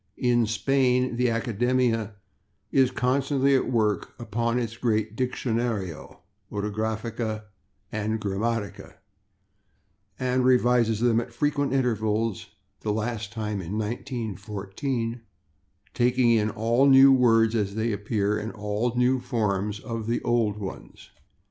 In Spain the Academia is constantly at work upon its great Diccionario, Ortografía and Gramática, and revises them at frequent intervals (the last time in 1914), taking in all new words as they appear and all new forms of old ones.